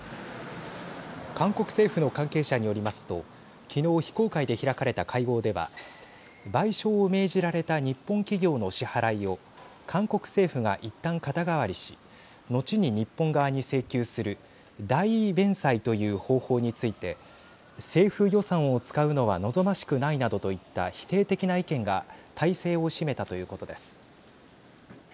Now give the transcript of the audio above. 韓国政府の関係者によりますと昨日、非公開で開かれた会合では賠償を命じられた日本企業の支払いを韓国政府が、いったん肩代わりし後に日本側に請求する代位弁済という方法について政府予算を使うのは望ましくないなどといった否定的な意見が大勢を占めたということです。